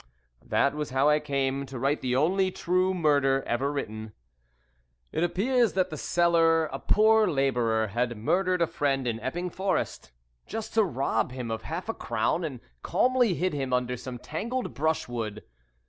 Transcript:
That was how I came to write the only true murder ever written. It appears that the seller, a poor labourer, had murdered a friend in Epping Forest, just to rob him of half a crown, and calmly hid him under some tangled brushwood.